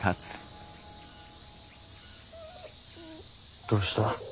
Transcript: どうした？